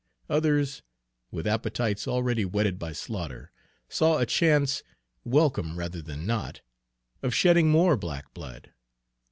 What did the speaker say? Others, with appetites already whetted by slaughter, saw a chance, welcome rather than not, of shedding more black blood.